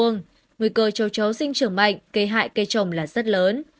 nguy cơ châu chấu sinh trưởng mạnh kê hại cây trồng là rất lớn